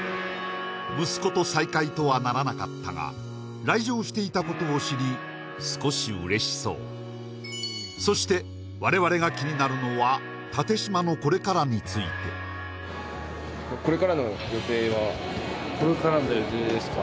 息子と再会とはならなかったが来場していたことを知り少し嬉しそうそして我々が気になるのはについてこれからの予定ですか？